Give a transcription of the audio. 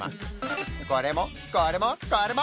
これもこれもこれも！